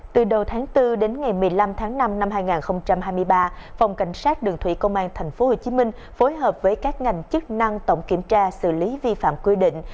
từ đầu tháng bốn đến ngày một mươi năm tháng năm năm hai nghìn hai mươi ba phòng cảnh sát đường thủy công an tp hcm phối hợp với các ngành chức năng tổng kiểm tra xử lý vi phạm quy định